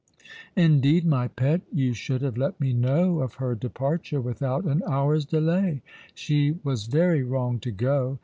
Indeed, my pet, you should have let me know of her departure without an hour's delay. She was very wrong to go.